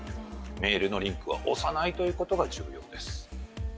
メールのリンクを押さないということが重要です。